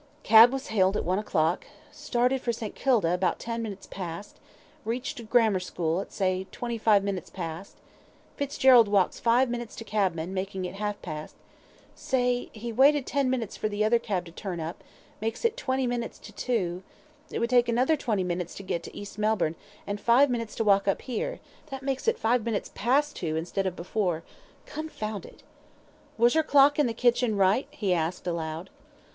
"Cab was hailed at one o'clock started for St. Kilda at about ten minutes past reached Grammar School, say, at twenty five minutes past Fitzgerald talks five minutes to cabman, making it half past say, he waited ten minutes for other cab to turn up, makes it twenty minutes to two it would take another twenty minutes to get to East Melbourne and five minutes to walk up here that makes it five minutes past two instead of before confound it. 'Was your clock in the kitchen right?'" he asked, aloud.